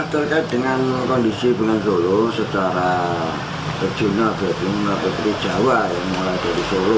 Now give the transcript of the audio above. terkait dengan kondisi bengawan solo